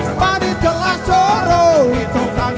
sekali lagi asik